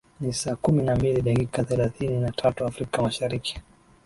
ni saa kumi na mbili dakika thelathini na tatu afrika mashariki